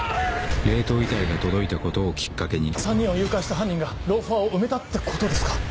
冷凍遺体が届いたことをきっかけに３人を誘拐した犯人がローファーを埋めたってことですか？